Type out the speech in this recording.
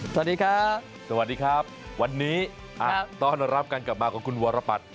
สวัสดีครับสวัสดีครับวันนี้ต้อนรับการกลับมาของคุณวรปัตร